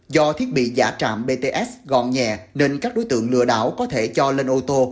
do thiết bị giả trạm bts gọn nhẹ nên các đối tượng lừa đảo có thể cho lên ô tô